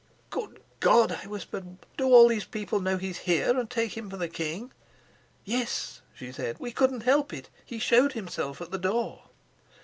"Good God," I whispered, "do all these people know he's here, and take him for the king?" "Yes," she said. "We couldn't help it. He showed himself at the door."